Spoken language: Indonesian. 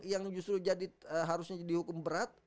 yang justru jadi harusnya dihukum berat